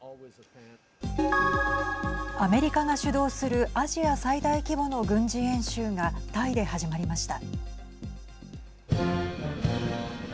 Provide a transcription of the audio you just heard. アメリカが主導するアジア最大規模の軍事演習がタイで始まりました。